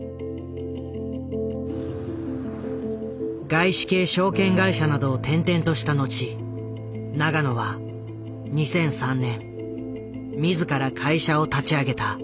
外資系証券会社などを転々とした後永野は２００３年自ら会社を立ち上げた。